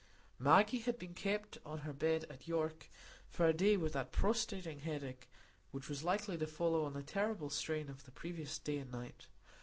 Maggie had been kept on her bed at York for a day with that prostrating headache which was likely to follow on the terrible strain of the previous day and night.